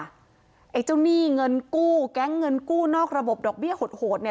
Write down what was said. ไอ้เจ้าหนี้เงินกู้แก๊งเงินกู้นอกระบบดอกเบี้ยโหดเนี่ย